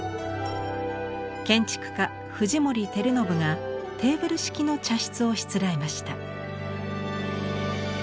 建築家藤森照信がテーブル式の茶室をしつらえました。